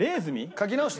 書き直して。